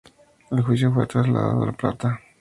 El juicio fue trasladado a La Plata.